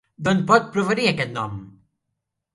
D'on pot provenir aquest nom?